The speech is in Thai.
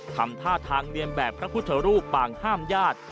ทำท่าทางเรียนแบบพระพุทธรูปปางห้ามญาติ